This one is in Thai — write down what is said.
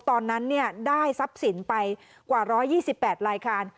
ตอนนั้นได้ทรัพย์สินไปกว่า๑๒๘รายการ